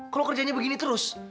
kalo kerjanya begini terus